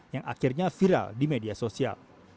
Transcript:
yang akhirnya viral di media sosial